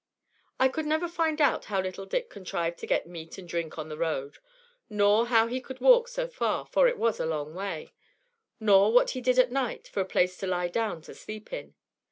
I could never find out how little Dick contrived to get meat and drink on the road; nor how he could walk so far, for it was a long way; nor what he did at night for a place to lie down to sleep in.